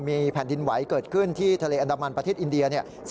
มีแผ่นดินไหวเกิดขึ้นที่ทะเลอันดามันประเทศอินเดียเนี่ย